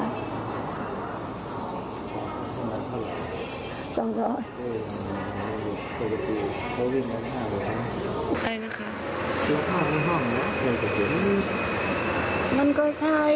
หนูไม่ชอบเรื่องเซ็กส์เลย